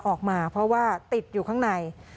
ออกมาเพราะว่าติดอยู่ข้างใน